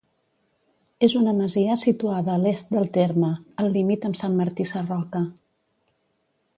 És una masia situada a l'est del terme, al límit amb Sant Martí Sarroca.